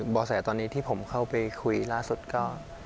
บ่อแสตอนนี้ที่ผมเข้าไปคุยล่าสุดก็